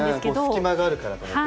隙間があるからと思って。